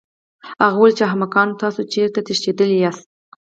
هغه وویل چې احمقانو تاسو چېرته تښتېدلی شئ